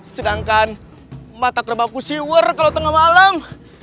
sedangkan mata kerabakku siwer kalau tengah malam